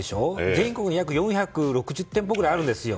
全国で４６０店舗くらいあるんですよ。